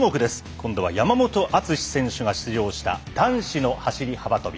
今度は山本篤選手が出場した男子の走り幅跳び。